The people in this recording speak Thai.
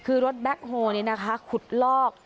คือรถแบคโม่นี่นะคะขุดลอก